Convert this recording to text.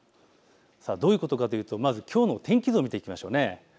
どういうことかというときょうの天気図を見ていきましょう。